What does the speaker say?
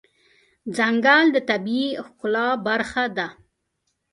ځنګل د طبیعي ښکلا برخه ده.